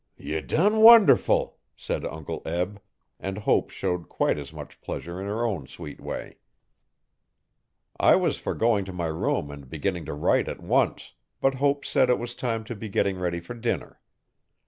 'Ye done wonderful!' said Uncle Eb and Hope showed quite as much pleasure in her own sweet way. I was for going to my room and beginning to write at once, but Hope said it was time to be getting ready for dinner.